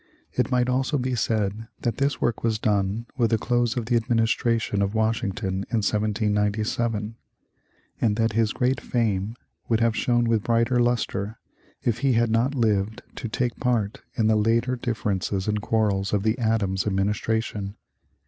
It might almost be said that this work was done with the close of the administration of Washington in 1797, and that his great fame would have shone with brighter lustre if he had not lived to take part in the later differences and quarrels of the Adams administration.